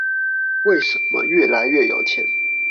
為什麼越來越有錢？